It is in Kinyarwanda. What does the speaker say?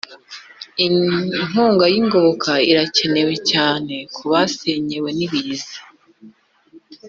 Inkunga y’ingoboka irakenewe cyane kubasenyewe nibiza